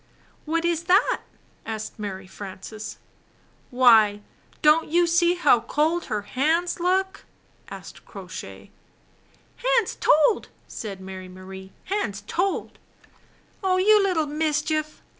"What is that?" asked Mary Frances. _ "Why, don't you see how cold her hands look?" Crow Shiy asked Crow Shay. . Wa^Wild. "Hands told!" said Mary Marie. "Hands told!" "Oh, you little mischief!"